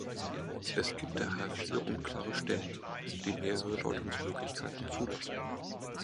Es gibt daher viele unklare Stellen, die mehrere Deutungsmöglichkeiten zulassen.